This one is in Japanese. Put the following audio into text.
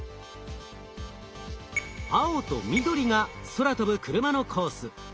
青と緑が空飛ぶクルマのコース。